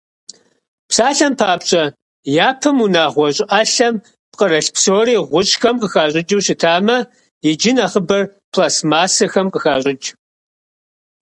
Псалъэм папщӀэ, япэм унагъуэ щӀыӀалъэм пкърылъ псори гъущӀхэм къыхащӀыкӀыу щытамэ, иджы нэхъыбэр пластмассэхэм къыхащӀыкӀ.